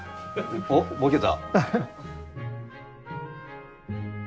おっボケた。